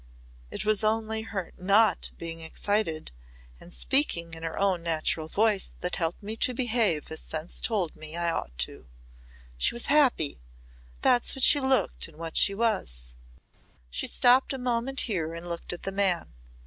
It was only her not being excited and speaking in her own natural voice that helped me to behave as sense told me I ought to. She was happy that's what she looked and what she was." She stopped a moment here and looked at the man.